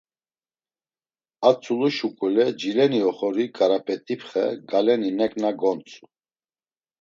A tzulu şuǩule cileni oxori Ǩarap̌et̆ipxe galeni neǩna gontzu.